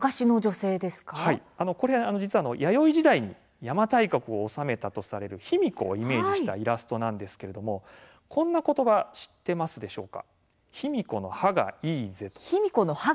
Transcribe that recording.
これは実は弥生時代に邪馬台国を治めたとされる卑弥呼をイメージしたイラストなんですけれどもこんなことば知っていますでしょうか。